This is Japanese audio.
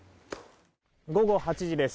午後８時です。